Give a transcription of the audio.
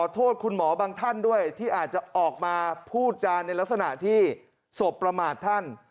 ที่อาจจะออกมาพูดจานในลักษณะที่สมประมาทท่าน